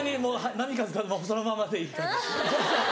波風そのままでいい。